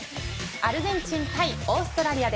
アルゼンチン対オーストラリア。